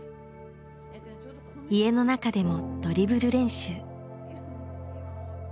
家の中でもドリブル練習。